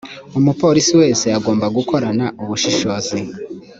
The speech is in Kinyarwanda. umupolisi wese agomba gukorana ubushishozi